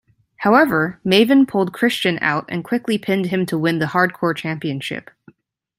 However, Maven pulled Christian out and quickly pinned him to win the Hardcore Championship.